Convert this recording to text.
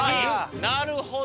なるほど！